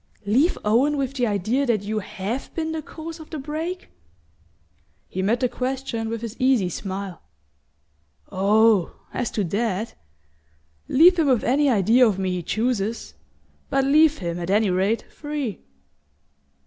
"Leave Owen with the idea that you HAVE been the cause of the break?" He met the question with his easy smile. "Oh, as to that leave him with any idea of me he chooses! But leave him, at any rate, free."